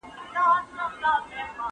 افغانانو د دفاع په برخه کې ښه مهارت وښود.